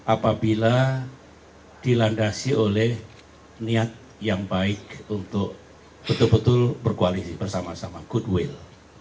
apabila dilandasi oleh niat yang baik untuk betul betul berkoalisi bersama sama goodwill